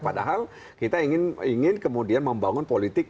padahal kita ingin kemudian membangun politik